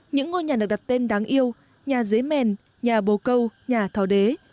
những ngôi nhà được đặt tên đáng yêu nhà giấy mèn nhà bồ câu nhà thò đế